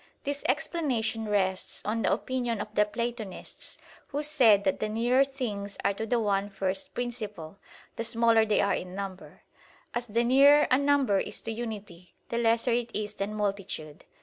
This explanation rests on the opinion of the Platonists, who said that the nearer things are to the one first principle, the smaller they are in number; as the nearer a number is to unity, the lesser it is than multitude.